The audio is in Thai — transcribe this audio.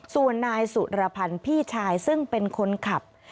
ส่วนนายสุรพันธ์พี่ชายซึ่งเป็นคนขับ